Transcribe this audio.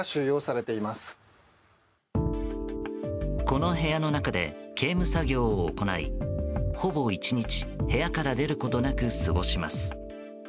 この部屋の中で刑務作業を行いほぼ１日部屋から出ることなく過ごします。